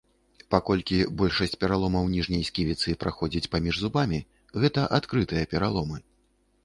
Паколькі большасць пераломаў ніжняй сківіцы праходзяць паміж зубамі, гэта адкрытыя пераломы.